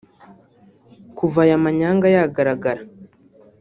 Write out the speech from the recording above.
Kuva aya manyanga yagaragara